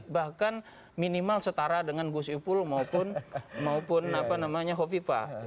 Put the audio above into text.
bahkan minimal setara dengan gus ipul maupun hovifa